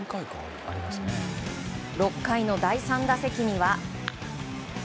６回の第３打席には。